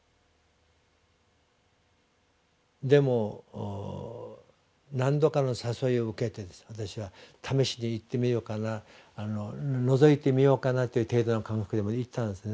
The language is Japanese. でも何度かの誘いを受けて私は試しに行ってみようかなのぞいてみようかなという程度の感覚で行ったんです。